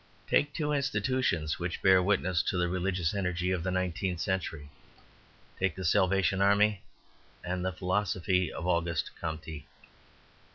Take two institutions which bear witness to the religious energy of the nineteenth century. Take the Salvation Army and the philosophy of Auguste Comte.